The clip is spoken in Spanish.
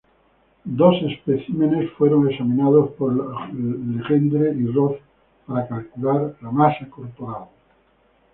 Dos especímenes fueron examinados por Legendre y Roth para calcular la masa corporal.